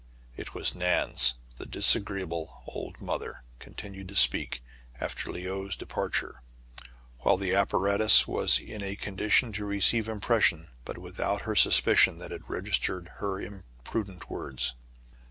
It was Nan's. The disagreeable "old mother" continued to speak after Le ou*s depar ture, while the apparatus was in a condition to receive impressions, but without her suspicion that it registered her imprudent words.